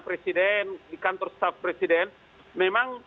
presiden di kantor staff presiden memang